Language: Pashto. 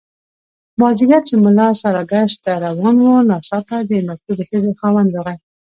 مازیګر چې ملا ساراګشت ته روان وو ناڅاپه د مطلوبې ښځې خاوند راغی.